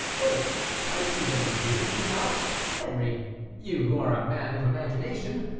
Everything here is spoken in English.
Oh, I see them from here; do you not, Henri; you, who are a man of imagination?